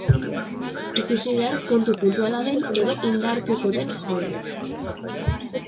Ikusi behar kontu puntuala den, edo indartuko den joera.